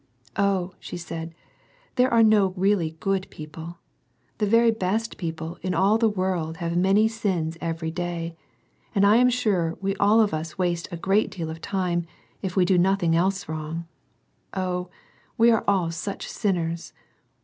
"Oh," she said, "there are no really good people ! The very best people in the world have many sins every day, and I am sure we all of us waste a great deal of time, if we do nothing else wrong. Oh, we are all such sinners!